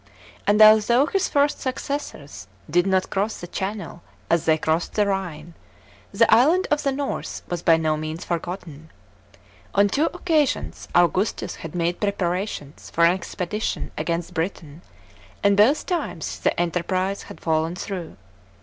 And although his first successors «iid not cross the channel a * they crossed the Rhine, the island of the north was by no means forgotten. On two occasions Augustus had made preparations for an expedition against Briiain, and both times the enterprise had fallen through.